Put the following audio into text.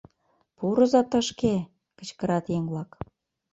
Пурыза тышке! — кычкырат еҥ-влак.